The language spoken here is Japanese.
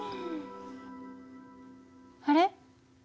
あれ？